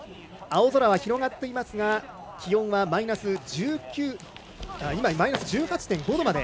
青空が広がっていますが気温はマイナス１８．５度。